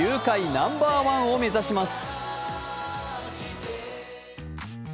ナンバーワンを目指します。